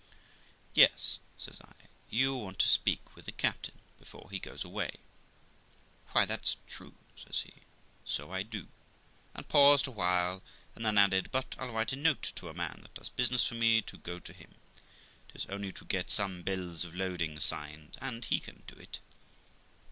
'Yes', says I, 'you want to speak with the captain before he goes away.' ' Why, that's true ', says he, ' so I do '; and paused awhile ; and then added, ' but I'll write a note to a man that does business for me to go to him ; 'tis only to get some bills of loading signed, and he can do it.'